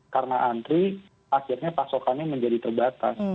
karena antri akhirnya pasokannya menjadi terbatas